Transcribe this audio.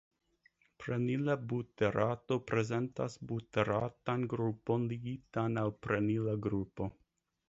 Prenila buterato prezentas buteratan grupon ligitan al prenila grupo.